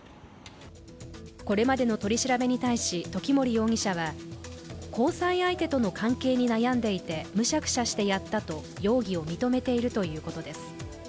これまでの取り調べに対し時森容疑者は交際相手との関係に悩んでいてむしゃくしゃしてやったと、容疑を認めているということです。